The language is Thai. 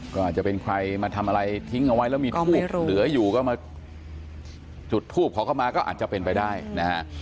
ก็อาจจะเป็นใครมาทำอะไรทิ้งเอาไว้แล้วมีทูบเหลืออยู่ก็มาจุดทูบขอเข้ามาก็อาจจะเป็นไปได้นะฮะ